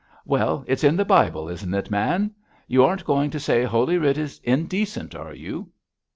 'Well, it's in the Bible, isn't it, man? You aren't going to say Holy Writ is indecent, are you?'